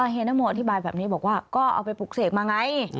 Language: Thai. เยนโมอธิบายแบบนี้บอกว่าก็เอาไปปลูกเสกมาไง